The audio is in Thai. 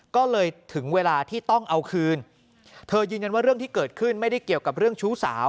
ก็เลยถึงเวลาที่ต้องเอาคืนเธอยืนยันว่าเรื่องที่เกิดขึ้นไม่ได้เกี่ยวกับเรื่องชู้สาว